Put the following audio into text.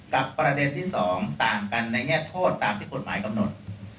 ประเด็นที่๒ต่างกันในแง่โทษตามที่กฎหมายกำหนด